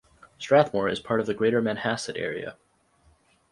Strathmore is part of the Greater Manhasset area.